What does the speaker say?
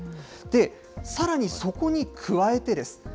で、さらにそこに加えてです。